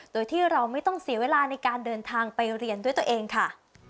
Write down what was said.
โดยที่เราไม่ต้องเสียเวลาในการเดินทางไปเรียนด้วยตัวเองค่ะ